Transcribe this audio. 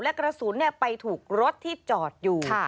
แล้วกระสุนเนี่ยไปถูกรถที่จอดอยู่